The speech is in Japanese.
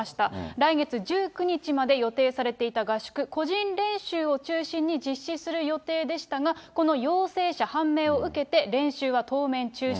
来月１９日まで予定されていた合宿、個人練習を中心に実施する予定でしたが、この陽性者判明を受けて、練習は当面中止。